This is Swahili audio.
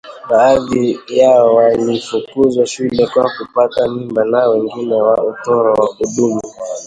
Baadhi yao walifukuzwa shule kwa kupata mimba na wengine kwa utoro wa kudumu